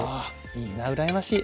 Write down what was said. いいな羨ましい。